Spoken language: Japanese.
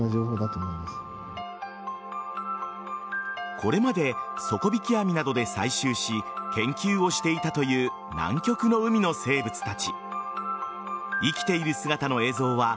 これまで底引き網などで採集し研究をしていたという南極の海の生物たち。